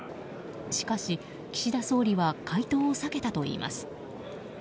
しかし、岸田総理は回答を避けたといいます。